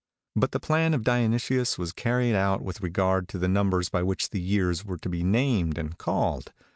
But the plan of Dionysius was carried out with regard to the numbers by which the years were to be named and called.